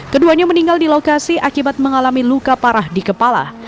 keduanya meninggal di lokasi akibat mengalami luka parah di kepala